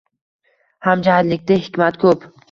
Hamjihatlikda hikmat ko‘p!